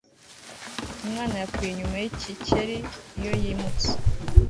Umwana yakuye inyuma yikikeri iyo yimutse